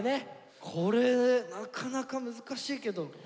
これなかなか難しいけど。